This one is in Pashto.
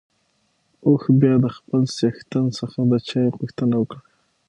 اوښ بيا د خپل څښتن څخه د چای غوښتنه وکړه.